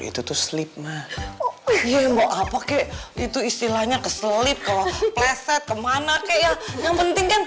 itu tuh sleep mah iya apa kek itu istilahnya ke sleep keleset kemana kayak yang penting kan